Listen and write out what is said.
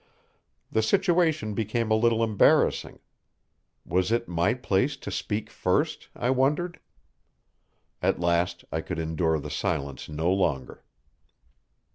The situation became a little embarrassing. Was it my place to speak first? I wondered. At last I could endure the silence no longer.